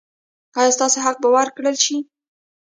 ایا ستاسو حق به ورکړل شي؟